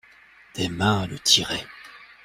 Des mains le tiraient.